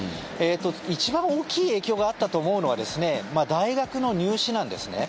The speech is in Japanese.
一番大きい影響があったと思うのは大学の入試なんですね。